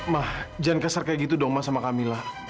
ma jangan keser kayak gitu dong sama kamilah